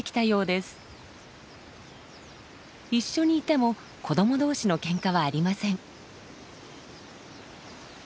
一緒にいても子ども同士のケンカはありません。